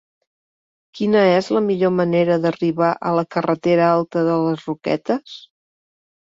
Quina és la millor manera d'arribar a la carretera Alta de les Roquetes?